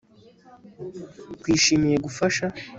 Twishimiye gufasha